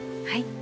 はい。